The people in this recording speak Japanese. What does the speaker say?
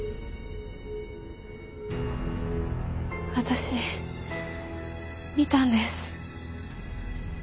私見たんです。